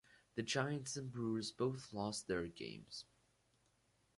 The Giants and Brewers both lost their games.